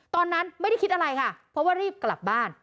ตอนนั้นไม่ได้คิดอะไรค่ะเพราะว่ารีบกลับบ้าน